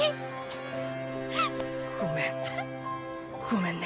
ごめん。